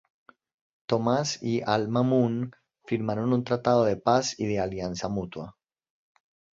Tomás y al-Mamun firmaron un tratado de paz y de alianza mutua.